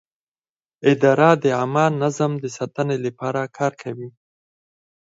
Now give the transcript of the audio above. اداره د عامه نظم د ساتنې لپاره کار کوي.